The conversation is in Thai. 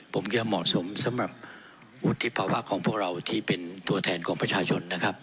พบเกียรติมอสมสำหรับอุธิภาวะของพวกเราที่เป็นตัวแทนของพระชาชนนะครับ